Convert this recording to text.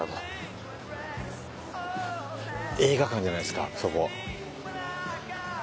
映画館じゃないですかそこ。